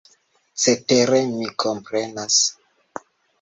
Cetere mi komprenas!